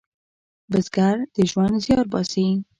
بزګر د ژوند زیار باسي